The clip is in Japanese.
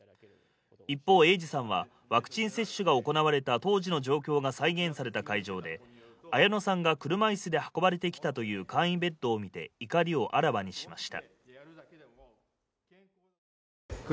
一方、英治さんはワクチン接種が行われた当時の状況が再現された会場で、綾乃さんが車いすで運ばれてきたという簡易ベッドを見て怒りをあらわにしました。